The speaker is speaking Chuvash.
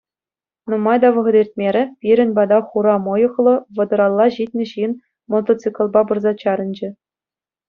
Нумай та вӑхӑт иртмерӗ, пирӗн пата хура мӑйӑхлӑ, вӑтӑралла ҫитнӗ ҫын мотоциклпа пырса чарӑнчӗ.